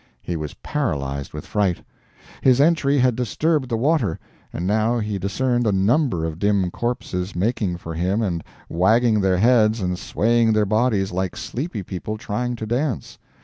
He was paralyzed with fright. His entry had disturbed the water, and now he discerned a number of dim corpses making for him and wagging their heads and swaying their bodies like sleepy people trying to dance.